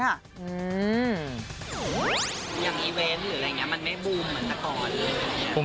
อย่างอีเว้นต์หรืออะไรอย่างงี้มันไม่บูมเหมือนก่อนเลย